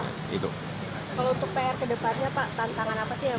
kalau untuk pr kedepannya pak tantangan apa sih yang